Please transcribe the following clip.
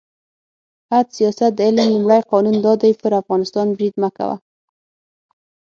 «عد سیاست د علم لومړی قانون دا دی: پر افغانستان برید مه کوه.